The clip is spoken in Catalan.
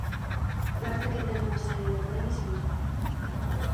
L'acte aquest d'aniversari del premi Sant Jordi.